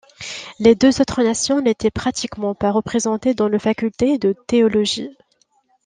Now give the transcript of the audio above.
Les deux autres Nations n'étaient pratiquement pas représentées dans le faculté de théologie.